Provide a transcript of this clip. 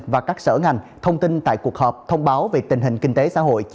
vẫn ảnh thông tin tại cuộc họp thông báo về tình hình kinh tế xã hội